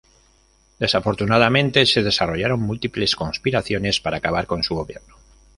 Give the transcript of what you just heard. Desafortunadamente, se desarrollaron múltiples conspiraciones para acabar con su gobierno.